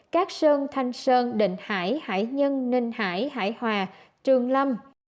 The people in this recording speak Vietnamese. cát sơn thanh sơn định hải hải nhân ninh hải hải hòa trường lâm